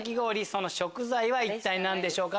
その食材は一体何でしょうか？